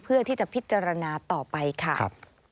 เพื่อที่จะพิจารณาต่อไปค่ะ